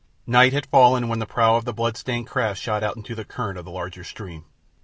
Night had fallen when the prow of the bloodstained craft shot out into the current of the larger stream.